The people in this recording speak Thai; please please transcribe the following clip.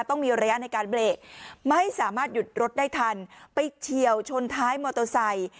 ต้องมีระยะในการเบรกไม่สามารถหยุดรถได้ทันไปเฉียวชนท้ายมอเตอร์ไซค์